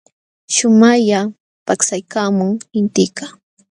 Shumaqlla paksaykaamun intikaq.